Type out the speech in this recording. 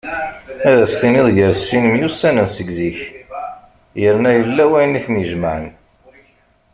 Ad as-tiniḍ gar sin myussanen seg zik yerna yella wayen iten-ijemɛen.